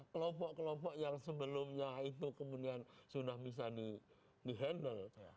kelompok kelompok yang sebelumnya itu kemudian sudah bisa di handle